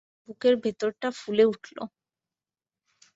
আমার বুকের ভিতরটা ফুলে উঠল।